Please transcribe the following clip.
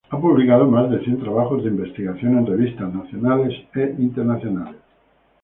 Ha publicado más de cien trabajos de investigación en revistas nacionales e internacionales.